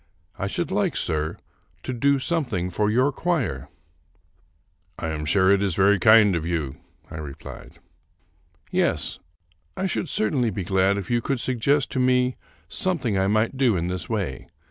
I should like, sir, to do something for your choir." " I am sure it is very kind of you," I replied. " Yes, I should certainly be glad if you could suggest to me something I might do in this way.